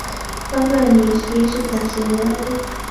Pongoni jeshit ap sirikalit.